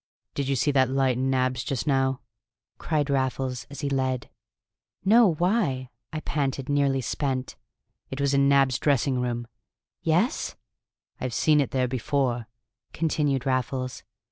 "Did you see that light in Nab's just now?" cried Raffles as he led. "No; why?" I panted, nearly spent. "It was in Nab's dressing room." "Yes?" "I've seen it there before," continued Raffles.